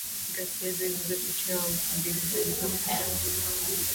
Ghasia zilizochochewa wiki mbili zilizopita